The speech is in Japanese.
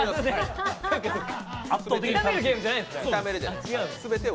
痛めるゲームじゃないんですね。